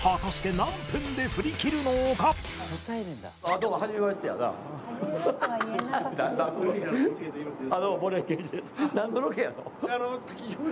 なんのロケやの？